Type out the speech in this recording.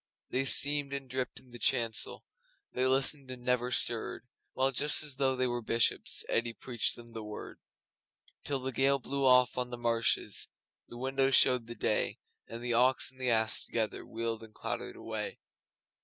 They steamed and dripped in the chancel, They listened and never stirred, While, just as though they were Bishops, Eddi preached them The Word. Till the gale blew off on the marshes And the windows showed the day, And the Ox and the Ass together Wheeled and clattered away.